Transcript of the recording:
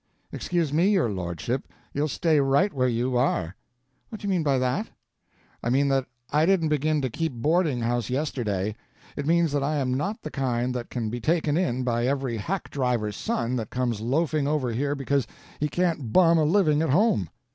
"Excuse me, your lordship, you'll stay right where you are." "What do you mean by that?" "I mean that I didn't begin to keep boarding house yesterday. It means that I am not the kind that can be taken in by every hack driver's son that comes loafing over here because he can't bum a living at home.